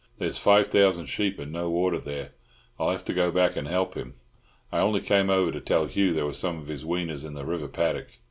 There's five thousand sheep, and no water there; I'll have to go back and help him. I only came over to tell Hugh there were some of his weaners in the river paddock.